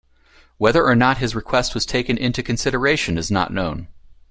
Whether or not his request was taken into consideration is not known.